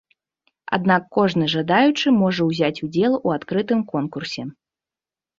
Аднак кожны жадаючы можа ўзяць удзел у адкрытым конкурсе.